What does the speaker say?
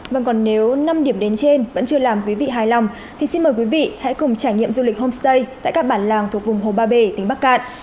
vâng còn nếu năm điểm đến trên vẫn chưa làm quý vị hài lòng thì xin mời quý vị hãy cùng trải nghiệm du lịch homestay tại các bản làng thuộc vùng hồ ba bể tỉnh bắc cạn